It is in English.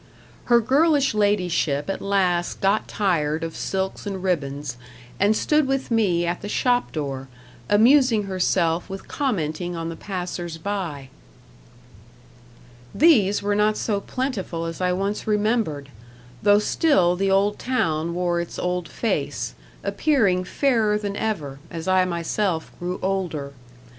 Her girlish ladyship at last got tired of silks and ribbons, and stood with me at the shop door, amusing herself with commenting on the passers by. These were not so plentiful as I once remembered, though still the old town wore its old face appearing fairer than ever, as I myself grew older.